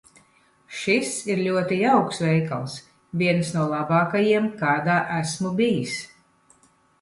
Šis ir ļoti jauks veikals. Viens no labākajiem, kādā esmu bijis.